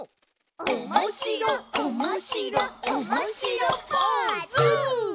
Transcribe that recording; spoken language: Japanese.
おもしろおもしろおもしろポーズ！